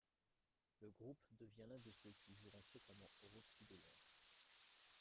Le groupe devient l'un de ceux qui joueront fréquemment au Roxy de Londres.